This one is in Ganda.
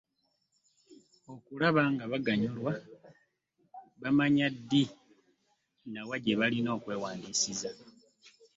Okulaba ng’abaganyulwa bamanya ddi na wa gye balina okwewandiisiza.